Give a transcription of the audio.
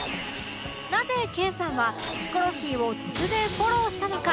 なぜ研さんはヒコロヒーを突然フォローしたのか？